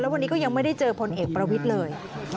วันนี้ก็ยังไม่ได้เจอพลเอกประวิทย์เลย